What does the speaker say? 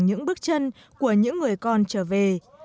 những bước chân của những người con trở về